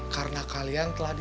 karena kalian telah dibuat